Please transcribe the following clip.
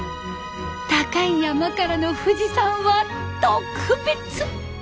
高い山からの富士山は特別！